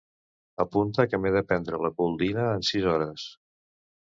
Apunta que m'he de prendre la Couldina en sis hores.